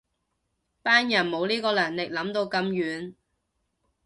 班人冇呢個能力諗到咁遠